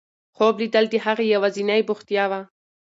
خوب لیدل د هغې یوازینۍ بوختیا وه.